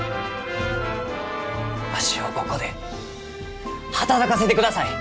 わしをここで働かせてください！